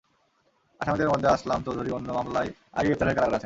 আসামিদের মধ্যে আসলাম চৌধুরী অন্য মামলায় আগেই গ্রেপ্তার হয়ে কারাগারে আছেন।